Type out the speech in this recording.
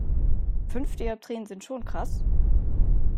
Fünf Dioptrien sind schon krass.